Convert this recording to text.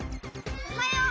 ・おはよう。